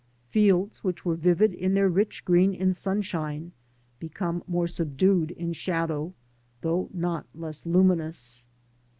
Fields which were vivid in their rich green in sunshine, become more subdued in shadow, though not less luminous.